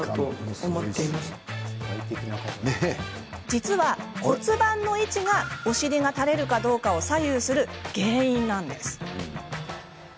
実は骨盤の位置がお尻がたれるかどうかを左右する原因なんです。